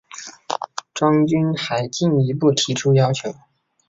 张军还进一步提出要求